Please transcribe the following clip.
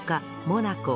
モナコ！？